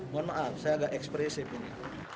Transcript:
mohon maaf saya agak ekspresif ini